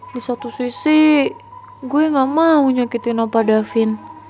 di satu sisi gue gak mau nyakitin apa davin